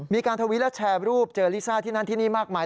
ทวิตและแชร์รูปเจอลิซ่าที่นั่นที่นี่มากมาย